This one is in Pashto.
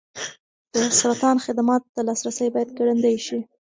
د سرطان خدماتو ته لاسرسی باید ګړندی شي.